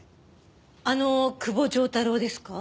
あの久保丈太郎ですか？